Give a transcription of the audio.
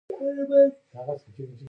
څوک چې زور لري هغه پر افغانستان پور لري.